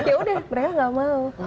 ya udah mereka gak mau